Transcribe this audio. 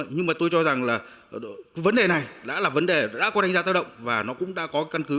nhưng tôi cho rằng vấn đề này đã có đánh giá tác động và nó cũng đã có căn cứ